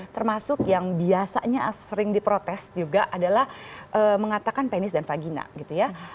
termasuk yang biasanya sering diprotes juga adalah mengatakan tenis dan vagina gitu ya